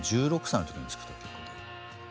１６歳の時に作った曲で。